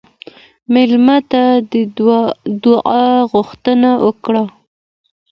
مېلمه ته د دعا غوښتنه وکړه.